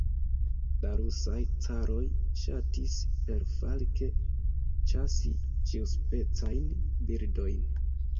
La rusaj caroj ŝatis perfalke ĉasi ĉiuspecajn birdojn.